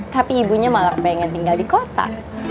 tapi ibunya malah pengen tinggal di kota